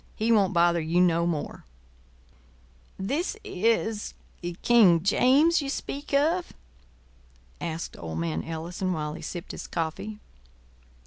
He won't bother you no more." "This—is—King—James—you speak—of?" asked old man Ellison, while he sipped his coffee.